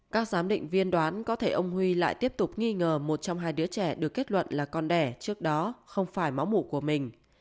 các giám định viên đoán có thể ông huy lại tiếp tục nghi ngờ một trong hai đứa trẻ được kết luận là con đẻ trước đó không phải máu mủ của mình